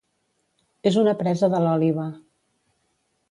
És una presa de l'òliba.